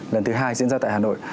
lần thứ hai diễn ra tại hà nội